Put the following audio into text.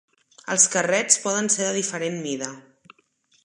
Els carrets poden ser de diferent mida.